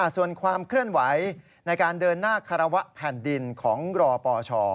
ส่วนความเคลื่อนไหวในการเดินหน้าคารวะแผ่นดินของรปช